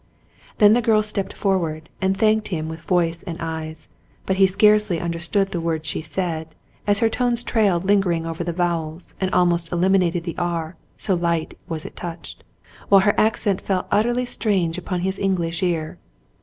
Then the girl stepped forward and thanked him with voice and eyes; but he scarcely understood the words she said, as her tones trailed lingeringly over the vowels, and almost eliminated the "r," so lightly was it touched, while her accent fell utterly strange upon his English ear.